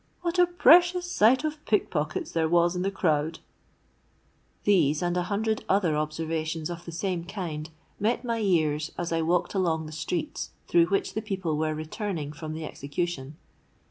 '—'What a precious sight of pickpockets there was in the crowd!'—These, and a hundred other observations of the same kind, met my ears as I walked along the streets through which the people were returning from the execution.